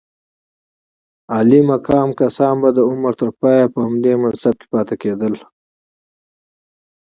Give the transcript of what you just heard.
عالي مقام کسان به د عمر تر پایه په همدې منصب کې پاتې کېدل.